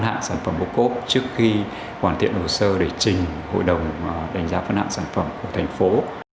hạn sản phẩm ô cốp trước khi hoàn thiện hồ sơ để trình hội đồng đánh giá phân hạng sản phẩm của thành phố